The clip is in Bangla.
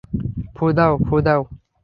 ফুঁ দাও, ফুঁ দাও!